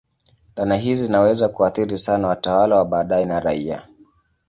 Dhana hizi zinaweza kuathiri sana watawala wa baadaye na raia.